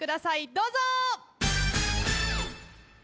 どうぞ。